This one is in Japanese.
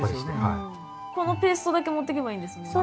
このペーストだけ持ってけばいいんですもんね。